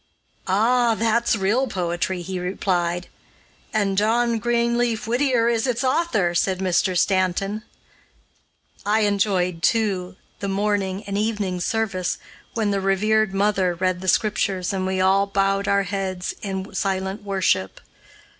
"Ah! that's real poetry," he replied. "And John Greenleaf Whittier is its author," said Mr. Stanton. I enjoyed, too, the morning and evening service, when the revered mother read the Scriptures and we all bowed our heads in silent worship.